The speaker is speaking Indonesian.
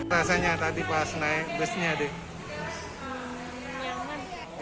rasanya tadi pas naik busnya deh